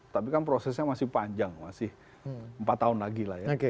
tapi kan prosesnya masih panjang masih empat tahun lagi lah ya